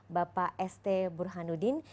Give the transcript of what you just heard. bapak st burhanuddin